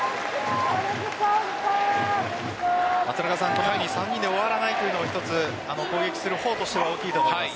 このように３人で終わらないというのが一つ攻撃する方としては大きいと思います。